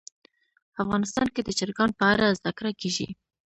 افغانستان کې د چرګان په اړه زده کړه کېږي.